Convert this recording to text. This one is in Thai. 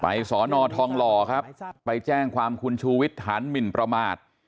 ไปสรรค์นอกทองรอครับไปแจ้งความคุณชูวิทย์หันหมิ่นประมาท